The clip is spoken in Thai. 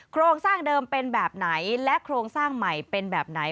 โครงสร้างเดิมเป็นแบบไหนและโครงสร้างใหม่เป็นแบบไหน